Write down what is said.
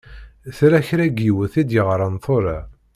Tella kra n yiwet i d-yeɣṛan tura.